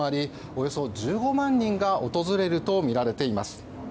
およそ１５万人が訪れるとみられています。